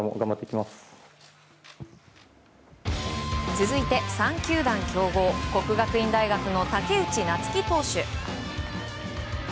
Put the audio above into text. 続いて３球団競合國學院大學の武内夏暉投手。